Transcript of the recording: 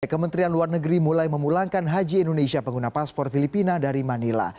kementerian luar negeri mulai memulangkan haji indonesia pengguna paspor filipina dari manila